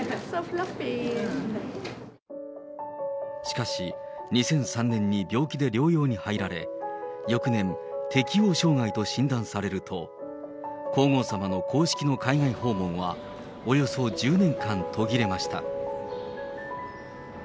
しかし２００３年に病気で療養に入られ、翌年、適応障害と診断されると、皇后さまの公式の海外訪問は、およそ１０年間、途切れました。